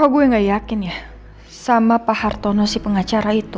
gue gak yakinmemang pak hartono di pengacara itu